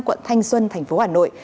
quận thanh xuân